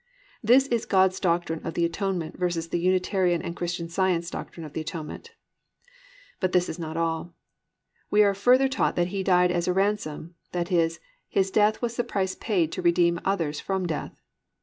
This is God's doctrine of the Atonement versus the Unitarian and Christian Science doctrine of the Atonement. 2. But this is not all. We are further taught that He died as a ransom, that is, His death was the price paid to redeem others from death.